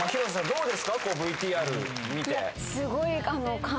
どうですかＶＴＲ見てというか